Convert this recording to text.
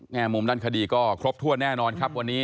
มุมด้านคดีก็ครบถ้วนแน่นอนครับวันนี้